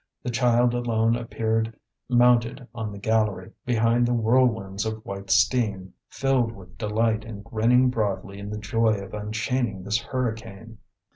The child alone appeared mounted on the gallery, behind the whirlwinds of white steam, filled with delight and grinning broadly in the joy of unchaining this hurricane.